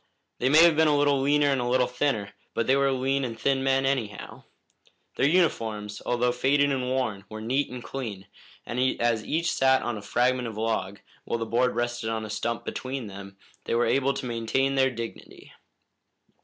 They may have been a little leaner and a little thinner, but they were lean and thin men, anyhow. Their uniforms, although faded and worn, were neat and clean, and as each sat on a fragment of log, while the board rested on a stump between, they were able to maintain their dignity.